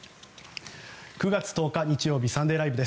９月１０日、日曜日「サンデーＬＩＶＥ！！」